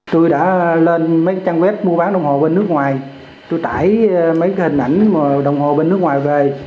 tôi đã lên mấy trang web mua bán đồng hồ bên nước ngoài tôi tải mấy cái hình ảnh mà đồng hồ bên nước ngoài về